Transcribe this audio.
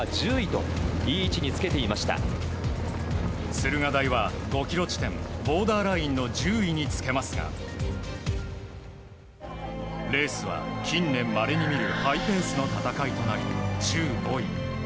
駿河台大は５ｋｍ地点ボーダーラインの１０位につけますがレースは近年まれに見るハイペースな戦いとなり１５位。